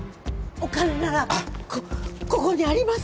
お金ならここにあります！